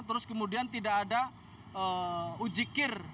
terus kemudian tidak ada ujikir